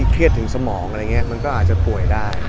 เครียดถึงสมองก็อาจจะป่วย